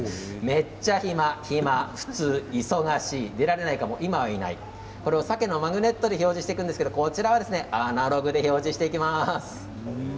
めっちゃひまひま、ふつう、いそがしい出られないかも今いないさけのマグネットで表示していくんですがこちらはアナログで表示していきます。